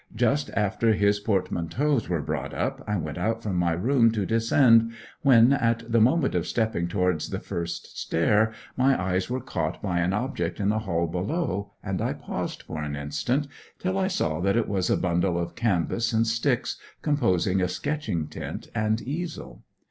Just after his portmanteaus were brought up I went out from my room to descend, when, at the moment of stepping towards the first stair, my eyes were caught by an object in the hall below, and I paused for an instant, till I saw that it was a bundle of canvas and sticks, composing a sketching tent and easel.